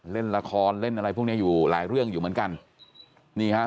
เล่นละครเล่นอะไรพวกเนี้ยอยู่หลายเรื่องอยู่เหมือนกันนี่ฮะ